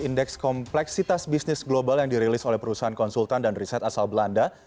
indeks kompleksitas bisnis global yang dirilis oleh perusahaan konsultan dan riset asal belanda